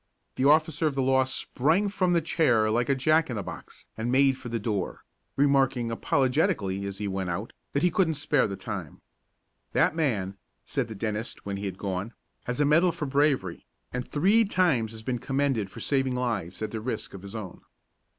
The officer of the law sprang from the chair like a jack in the box and made for the door, remarking apologetically as he went out that he couldn't spare the time. "That man," said the dentist, when he had gone, "has a medal for bravery, and three times has been commended for saving lives at the risk of his own."